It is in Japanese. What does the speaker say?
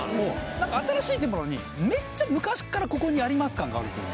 何か新しい店舗なのにめっちゃ昔からここにあります感があるんですよ